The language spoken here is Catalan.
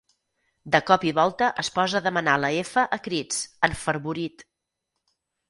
De cop i volta es posa a demanar la efa a crits, enfervorit.